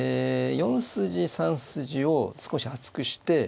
４筋３筋を少し厚くして。